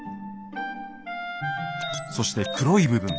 そして黒い部分。